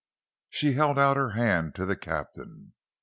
She held out her hand to the captain.